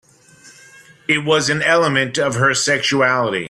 It was an element of her sexuality.